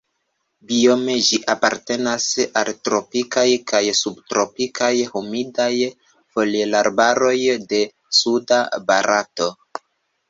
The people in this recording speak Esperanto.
Biome ĝi apartenas al tropikaj kaj subtropikaj humidaj foliarbaroj de suda Barato.